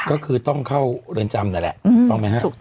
ก็คือต้องเข้าเรือนจำนั่นแหละต้องไหมครับ